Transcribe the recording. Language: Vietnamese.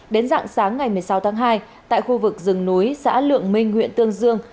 đến dạng sáng ngày một mươi sáu tháng hai tại khu vực rừng núi xã lượng minh huyện tương dương